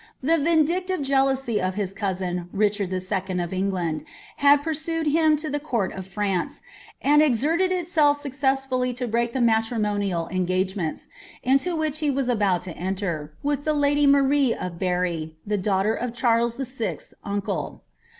The vindictiire jealousy of his cousin, Richard II. of England, had pursued him to the eourt of France, and exerted itself successfully to break the matrimonial engagements, into which he was about to enter, with the lady Marie of Bern, the daughter of Charies Vl.'s uncle.